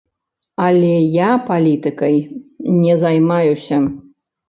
Але я палітыкай не займаюся.